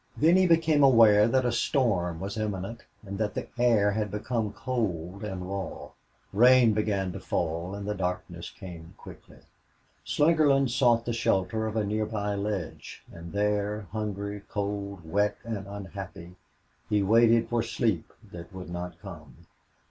Then he became aware that a storm was imminent and that the air had become cold and raw. Rain began to fall, and darkness came quickly. Slingerland sought the shelter of a near by ledge, and there, hungry, cold, wet, and unhappy, he waited for sleep that would not come.